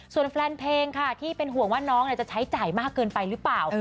ส่วนแฟนเพลงค่ะที่เป็นห่วงว่าน้องจะใช้จ่ายมากเกินไปหรือเปล่า